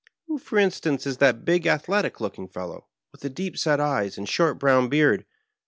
Who, for instance, is that big, athletic looking fellow with the deep set eyes and short brown beard